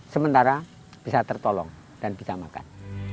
sementara bisa tertolong dan bisa makan